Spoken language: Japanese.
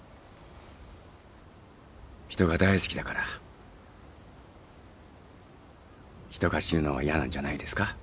人が大好きだから人が死ぬのは嫌なんじゃないですか？